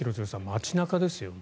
街中ですよ。